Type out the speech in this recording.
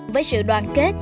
với sự đoàn kết